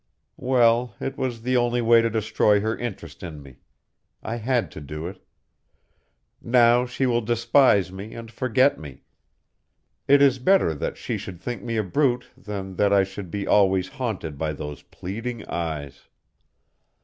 Well, it was the only way to destroy her interest in me. I had to do it. Now she will despise me and forget me. It is better that she should think me a brute than that I should be always haunted by those pleading eyes."